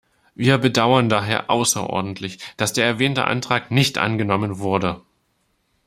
Wir bedauern daher außerordentlich, dass der erwähnte Antrag nicht angenommen wurde.